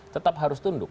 tetap harus tunduk